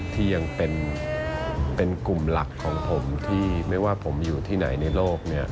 ที่ยังเป็นกลุ่มหลักของผมที่ไม่ว่าผมอยู่ที่ไหนในโลก